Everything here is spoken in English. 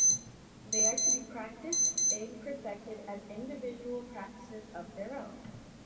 They are to be practiced and perfected as individual practices of their own.